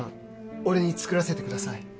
俺につくらせてください